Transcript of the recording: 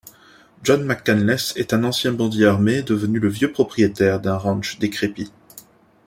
John McCanless est un ancien bandit armé devenu le vieux propriétaire d'un ranch décrépi.